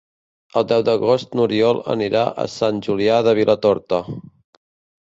El deu d'agost n'Oriol anirà a Sant Julià de Vilatorta.